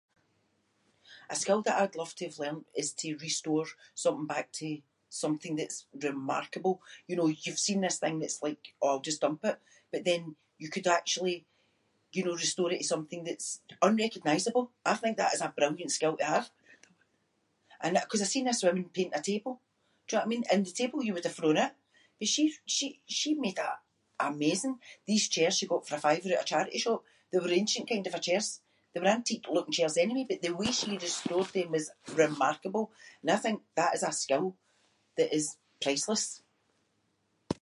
A skill that I’d loved to have learned is to restore something back to something that’s remarkable. You know you’ve seen this thing that’s like oh I’ll just dump it but then you could actually you know restore it to something that’s unrecognisable. I think that is a brilliant skill to have. And I- ‘cause I seen this woman paint a table. Do you know what I mean? And the table you would’ve thrown oot but she- she- she made that amazing. These chairs she got for a fiver oot a charity shop. They were ancient kind of a chairs, they were antique looking chairs anyway but the way she restored them was remarkable and I think that is a skill that is priceless.